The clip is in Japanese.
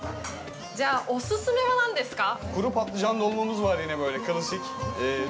じゃあ、お勧めは何ですか？